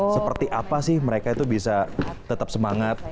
seperti apa sih mereka itu bisa tetap semangat